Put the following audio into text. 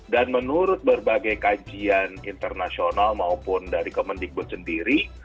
dan menurut berbagai kajian internasional maupun dari kemendikbud sendiri